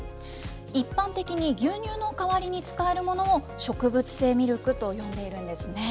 一般的に、牛乳の代わりに使えるものを、植物性ミルクと呼んでいるんですね。